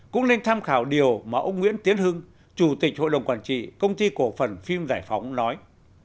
cũng lên tham khảo điều mà ông nguyễn tiến hưng chủ tịch hội đồng quản trị công ty cổ phần phim giải phóng nói